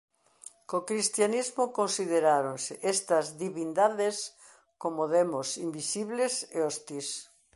Co cristianismo consideráronse estas divindades como demos invisibles e hostís.